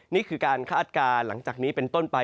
นี่คือการคาดการณ์หลังจากนี้เป็นต้นไป